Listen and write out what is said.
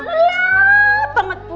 lelap banget bu